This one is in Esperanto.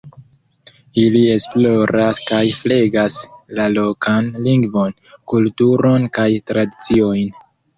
Ili esploras kaj flegas la lokan lingvon, kulturon kaj tradiciojn.